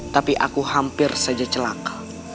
tapi aku hampir saja celaka